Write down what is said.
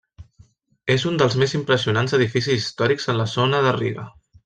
És un dels més impressionants edificis històrics en la zona de Riga.